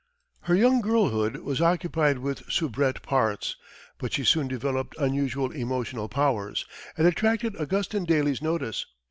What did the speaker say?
Her young girlhood was occupied with soubrette parts, but she soon developed unusual emotional powers, and attracted Augustin Daly's notice.